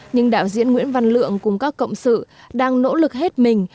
nhưng đạo diễn nguyễn văn lượng cùng các cộng sự đang nỗ lực hết mình